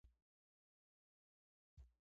بازار د سیالۍ له لارې قوي کېږي.